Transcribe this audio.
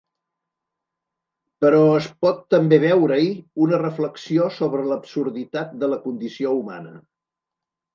Però es pot també veure-hi una reflexió sobre l'absurditat de la condició humana.